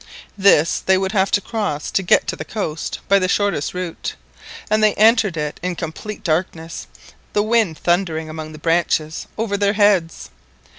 This they would have to cross to get to the coast by the shortest route, and they entered it in complete darkness, the wind thundering among the branches over their heads.